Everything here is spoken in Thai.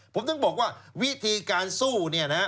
ผมต้องบอกว่าวิธีการสู้